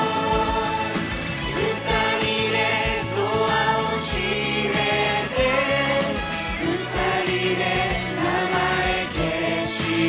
「ふたりでドアをしめてふたりで名前消して」